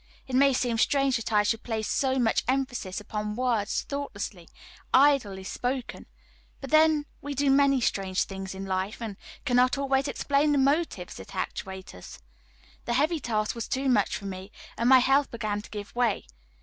It may seem strange that I should place so much emphasis upon words thoughtlessly, idly spoken; but then we do many strange things in life, and cannot always explain the motives that actuate us. The heavy task was too much for me, and my health began to give way.